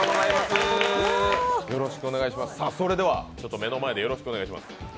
それでは、目の前でよろしくお願いします。